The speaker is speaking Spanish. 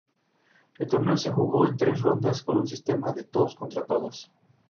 El gobierno le designó junto con la Ordnance Survey.